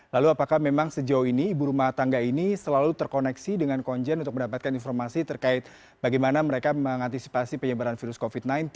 lalu apakah memang sejauh ini ibu rumah tangga ini selalu terkoneksi dengan konjen untuk mendapatkan informasi terkait bagaimana mereka mengantisipasi penyebaran virus covid sembilan belas